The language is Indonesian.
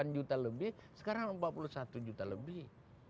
delapan juta lebih sekarang empat puluh satu juta lebih